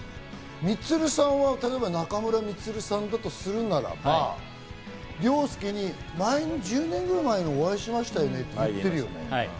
充さんは例えば中村充さんだとするならば凌介に１０年前ぐらいにお会いしましたよねって言ってます。